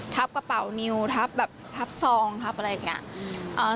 ทับกระเป๋านิวทับซองทับอะไรอย่างนี้